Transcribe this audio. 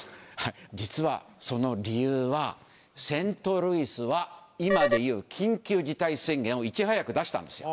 実はその理由はセントルイスは今でいう緊急事態宣言をいち早く出したんですよ。